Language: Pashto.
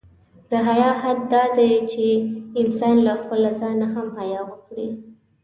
د حیا حد دا دی، چې انسان له خپله ځان څخه هم حیا وکړي.